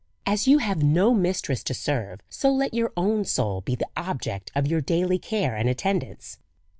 As you have no mistress to serve, so let your own soul be the object of your daily care and attendance.